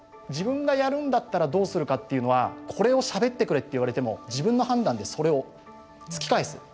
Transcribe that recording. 自分がやるんだったらどうするかっていうのはこれをしゃべってくれって言われても自分の判断でそれを突き返す。